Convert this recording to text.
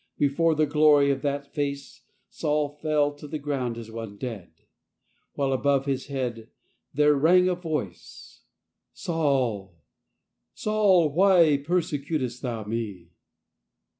Before the glory of that Face Saul fell to the ground as one dead, while above his head there rang a Voice: "Saul, Saul, why perse r' .cutest thou Me